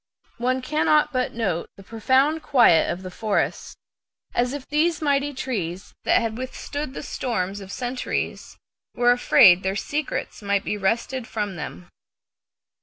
One cannot but note the profound quiet of the forest, as if these mighty trees that had withstood the storms of centuries were afraid their secrets might be wrested from them.